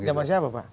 jaman siapa pak